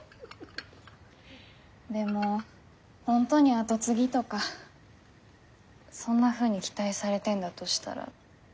でも本当に跡継ぎとかそんなふうに期待されてんだとしたら。